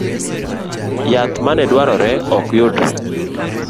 Yath maneduarore okyudre